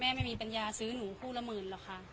ไม่มีปัญญาซื้อหนูคู่ละหมื่นหรอกค่ะ